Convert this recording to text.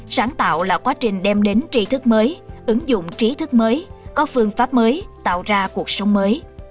sáng tạo là quá trình đem đến trí thức mới ứng dụng trí thức mới có phương pháp mới tạo ra cuộc sống mới